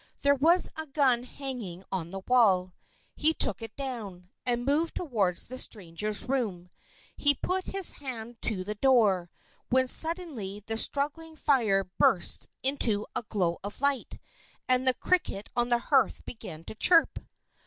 There was a gun hanging on the wall. He took it down, and moved toward the Stranger's room. He put his hand to the door when suddenly the struggling fire burst into a glow of light, and the cricket on the hearth began to chirp.